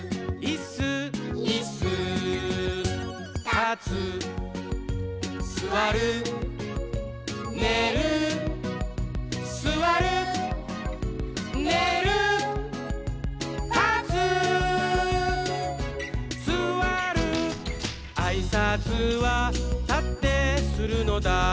「たつすわる」「ねるすわる」「ねるたつすわる」「あいさつはたってするのだ」